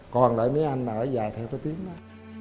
còn lại mấy anh mà ở dài theo cái tiếng đó